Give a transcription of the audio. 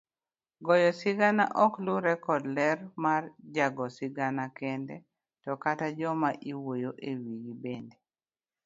Goyo sigana okluore kod ler mar jago sigana kende, to kata jomaiwuoyo ewigi bende